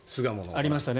ありましたね。